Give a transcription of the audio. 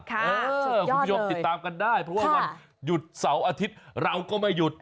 คุณผู้ชมติดตามกันได้เพราะว่าวันหยุดเสาร์อาทิตย์เราก็ไม่หยุด